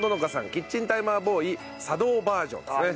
キッチンタイマーボーイ茶道バージョンですね。